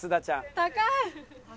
高い！